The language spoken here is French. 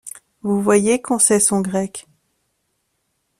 Vous voyez qu’on sait son grec.